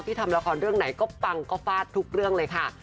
ทำละครเรื่องไหนก็ปังก็ฟาดทุกเรื่องเลยค่ะ